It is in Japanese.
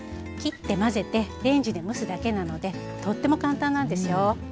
切って混ぜてレンジで蒸すだけなのでとっても簡単なんですよ。